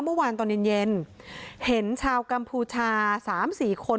เมื่อวานตอนเย็นเย็นเห็นชาวกัมพูชา๓๔คน